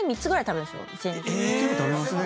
結構食べますね。